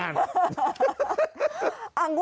นั่น